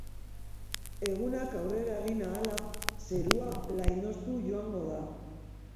Egunak aurrera egin ahala, zerua lainotuz joango da.